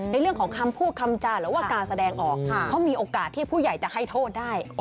ในเรื่องของคำพูดคำจาหรือว่าการแสดงออกเพราะมีโอกาสที่ผู้ใหญ่จะให้โทษได้